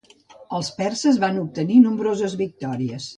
Els perses van obtenir nombroses victòries.